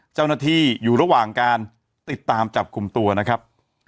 เจ้าหน้าที่อยู่ระหว่างการติดตามจับกลุ่มตัวนะครับ